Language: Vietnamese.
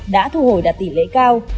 đã thu hồi đạt tỷ lệ cao